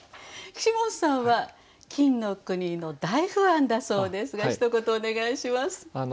岸本さんは金の国の大ファンだそうですがひと言お願いします。